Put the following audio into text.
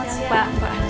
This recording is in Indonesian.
selamat siang pak